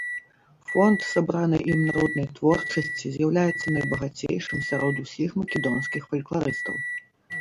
Фонд сабранай ім народнай творчасці з'яўляецца найбагацейшым сярод усіх македонскіх фалькларыстаў.